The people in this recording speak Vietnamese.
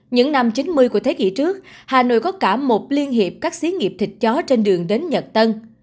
những năm chín mươi của thế kỷ trước hà nội có cả một liên hiệp các xí nghiệp thịt chó trên đường đến nhật tân